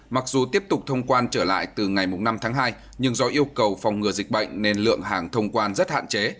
mặc dù tiếp tục thông quan trở lại từ ngày năm tháng hai nhưng do yêu cầu phòng ngừa dịch bệnh nên lượng hàng thông quan rất hạn chế